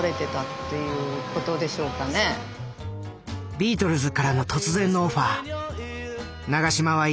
ビートルズからの突然のオファー。